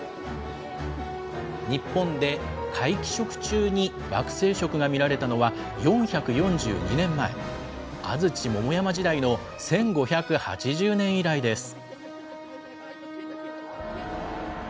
日本で皆既食中に惑星食が見られたのは４４２年前、安土桃山時代の１５８０年以来です。